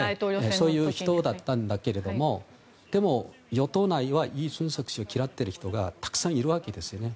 そういう人だったんですがでも、与党内はイ・ジュンソク氏を嫌っている人がたくさんいるわけですよね。